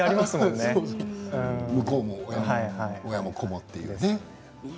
向こうの親も子も、みたいなね。